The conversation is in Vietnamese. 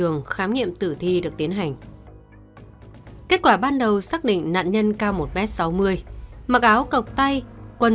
nghiệm tử thi được tiến hành kết quả ban đầu xác định nạn nhân cao một mét sáu mươi mặc áo cọc tay quần